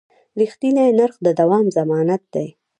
رښتیني نرخ د دوام ضمانت دی.